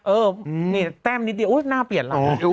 เออนี่แต้มนิดเดียวอุ๊ยหน้าเปลี่ยนเรา